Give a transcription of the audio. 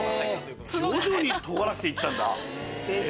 徐々にとがらせていったんだ。